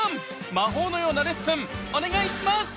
魔法のようなレッスンお願いします！